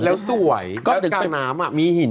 แล้วสวยแล้วกลางน้ำมีหิน